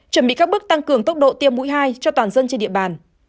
chuẩn bị các bước tăng cường tốc độ tiêm mũi hai cho toàn dân trên địa bàn